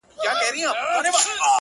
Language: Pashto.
هو نور هم راغله په چکچکو، په چکچکو ولاړه